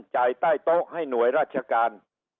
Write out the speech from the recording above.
จ่ายใต้โต๊ะให้หน่วยราชการ